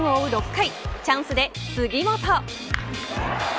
６回チャンスで杉本。